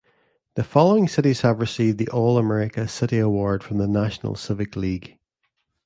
The following cities have received the All-America City Award from the National Civic League.